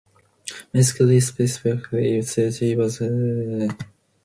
Misskelley specifically said he was "scared of the police" during this confession.